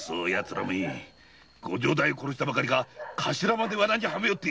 らめご城代を殺したばかりかカシラまでワナにはめおって！